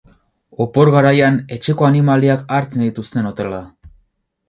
Opor garaian etxeko animaliak hartzen dituzten hotela da.